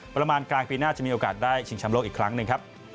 ประมาณกลางปีหน้าจะมีโอกาสได้ชิงชำโลกอีกครั้งหนึ่งครับ